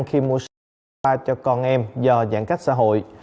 khi mua sữa cho con em do giãn cách xã hội